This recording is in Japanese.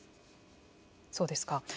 そうですか。